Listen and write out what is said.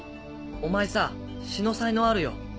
お前さ詩の才能あるよ。